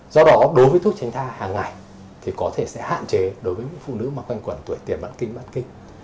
do đó đối với thuốc tránh thai hàng ngày thì có thể sẽ hạn chế đối với những phụ nữ quanh quần tuổi tiền bản kinh bản kinh